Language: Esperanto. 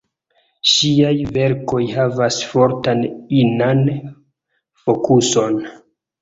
Ŝiaj verkoj havas fortan inan fokuson.